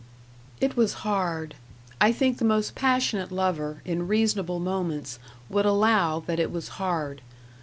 It was hard. I think the most passionate lover, in reasonable moments, would allow that it was hard.